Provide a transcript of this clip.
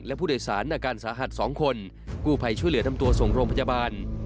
และผู้โดยสารอาการสาหัส๒คนกู้ภัยช่วยเหลือนำตัวส่งโรงพยาบาล